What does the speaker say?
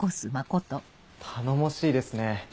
頼もしいですね